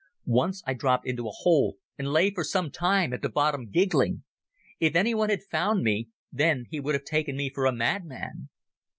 Once I dropped into a hole and lay for some time at the bottom giggling. If anyone had found me then he would have taken me for a madman.